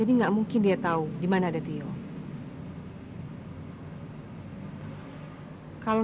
tunggu tunggu tunggu tunggu